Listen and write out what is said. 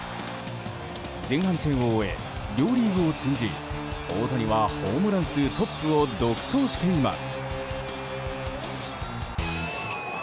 前半戦を終え、両リーグを通じ大谷はホームラン数トップを独走しています。